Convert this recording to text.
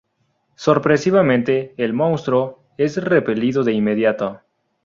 Sorpresivamente, el monstruo es repelido de inmediato.